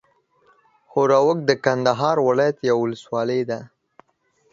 ښوراوک د کندهار ولايت یوه اولسوالي ده.